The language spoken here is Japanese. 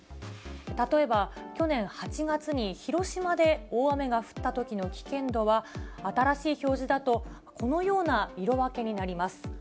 例えば、去年８月に広島で大雨が降ったときの危険度は、新しい表示だとこのような色分けになります。